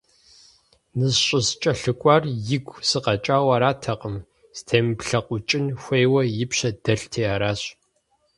НыщӀыскӀэлъыкӀуар игу сыкъэкӀауэ аратэкъым, стемыплъэкъукӀын хуейуэ и пщэ дэлъти аращ.